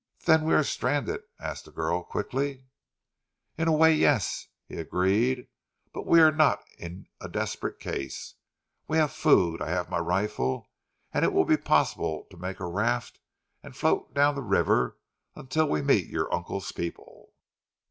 "Then we are stranded?" asked the girl quickly. "In a way yes," he agreed. "But we are not in a desperate case. We have food, I have my rifle, and it will be possible to make a raft and float down the river until we meet your uncle's people."